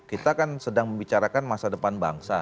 kita kan sedang membicarakan masa depan bangsa